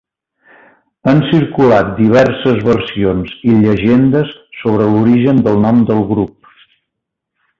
Han circulat diverses versions i llegendes sobre l'origen del nom del grup.